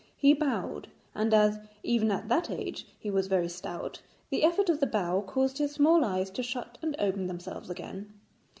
He bowed, and as even at that age he was very stout, the effort of the bow caused his small eyes to shut and open themselves again.